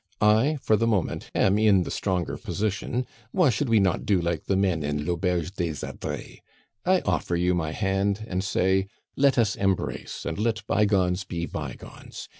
I, for the moment, am in the stronger position, why should we not do like the men in l'Auberge des Adrets? I offer you my hand, and say, 'Let us embrace, and let bygones be bygones.